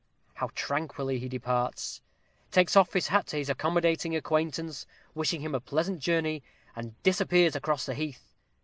How tranquilly he departs, takes off his hat to his accommodating acquaintance, wishes him a pleasant journey, and disappears across the heath!